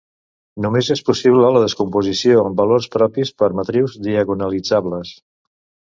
Només és possible la descomposició en valors propis per matrius diagonalitzables.